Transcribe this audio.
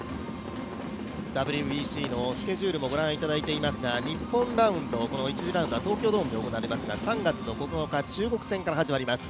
ＷＢＣのスケジュールをご覧いただいていますが日本ラウンドこの１次ラウンドは東京ドームで行われますが３月９日、中国戦から始まります。